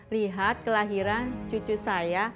lihat kelahiran cucu saya